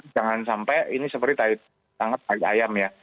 jangan sampai ini seperti ayam ya